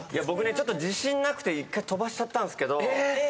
僕ちょっと自信なくて１回飛ばしちゃったんですけど。